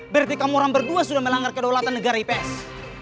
berarti kamu orang berdua sudah melanggar kedaulatan negara ips